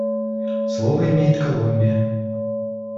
Слово имеет Колумбия.